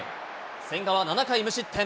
千賀は７回無失点。